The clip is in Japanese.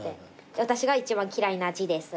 私が一番嫌いな字です。